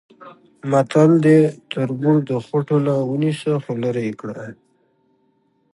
متل دی: تربور د خوټونه ونیسه خولرې یې کړه.